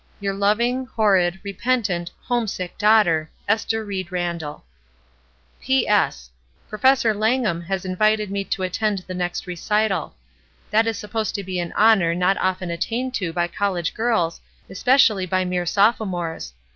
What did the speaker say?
'*Your loving, horrid, repentant, homesick daughter, "Ester Ried Randall., THE VICTORS 85 "P.S. Professor Langham has invited me to attend the next recital. That is supposed to be an honor not often attained to by college girls, especially by mere Sophomores.